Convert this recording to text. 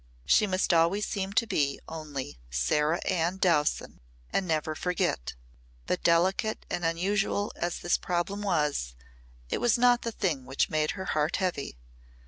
She must always seem to be only Sarah Ann Dowson and never forget. But delicate and unusual as this problem was, it was not the thing which made her heart heavy.